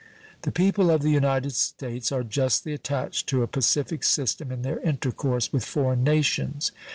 The people of the United States are justly attached to a pacific system in their intercourse with foreign nations.